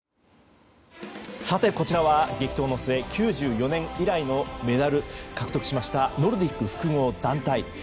こちらは激闘の末９４年以来のメダル獲得しましたノルディック複合団体。